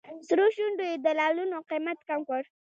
سرو شونډو یې د لعلونو قیمت کم کړ.